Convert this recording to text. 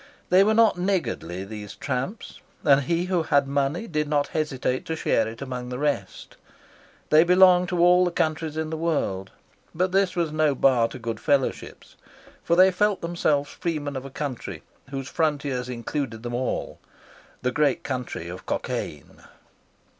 They were not niggardly, these tramps, and he who had money did not hesitate to share it among the rest. They belonged to all the countries in the world, but this was no bar to good fellowship; for they felt themselves freemen of a country whose frontiers include them all, the great country of Cockaine.